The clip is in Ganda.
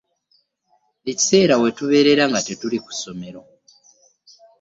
Ekiseera we tubeerera nga tetuli ku ssomero.